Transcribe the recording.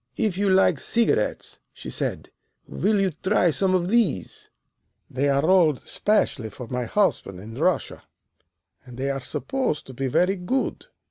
"'If you like cigarettes,' she said, 'will you try some of these? They are rolled especially for my husband in Russia, and they are supposed to be very good.